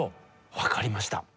分かりました！